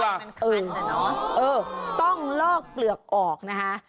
ใบมันขาดเลยเนาะเออต้องลอกเกลือกออกนะฮะ